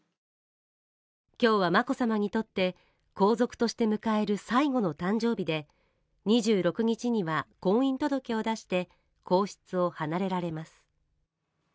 今日は眞子さまにとって皇族として迎える最後の誕生日で２６日には婚姻届を出して皇室を離れられます。